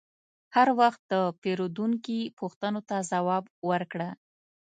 هر وخت د پیرودونکي پوښتنو ته ځواب ورکړه.